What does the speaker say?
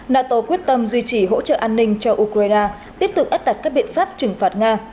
nato quyết tâm duy trì hỗ trợ an ninh cho ukraine tiếp tục áp đặt các biện pháp trừng phạt nga